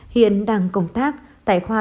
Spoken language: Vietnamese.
hiện đang công tác tại khoa